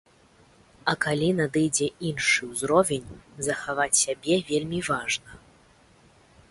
А калі надыдзе іншы ўзровень, захаваць сябе вельмі важна.